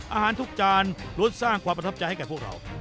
อาหารทุกจานล้วนสร้างความประทับใจให้แก่พวกเรา